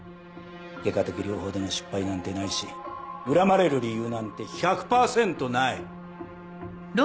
外科的療法での失敗なんてないし恨まれる理由なんて１００％ない。